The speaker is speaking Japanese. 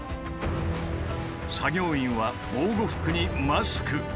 作業員は防護服にマスク。